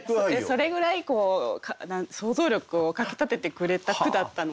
それぐらい想像力をかきたててくれた句だったので。